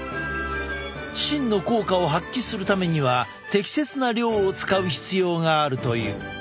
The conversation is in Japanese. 真の効果を発揮するためには適切な量を使う必要があるという。